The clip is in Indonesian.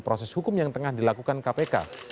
proses hukum yang tengah dilakukan kpk